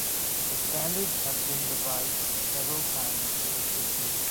The standard has been revised several times in its history.